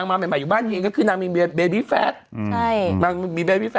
เมื่อก่อนนางสวย